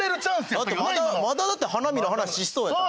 まだだって花見の話しそうやったから。